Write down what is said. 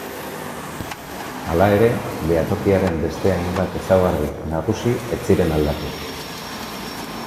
Hala ere, behatokiaren beste hainbat ezaugarri nagusi ez ziren aldatu.